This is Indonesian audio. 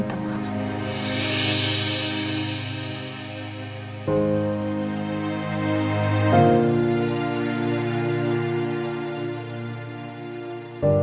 jadi kamu udah sadar